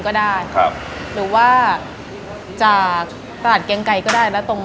ค่ะหรือว่าจากตลาดแกลงไกลก็ได้แล้วตรง